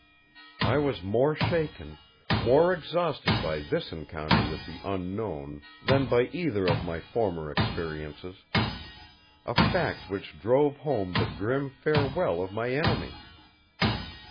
I was more shaken, more exhausted by this encounter with the unknown than by either of my former experiences. A fact which drove home the grim farewell of my enemy!